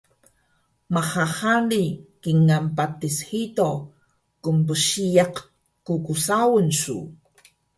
Maha hari kingal patis hido qnbsiyaq kksaun su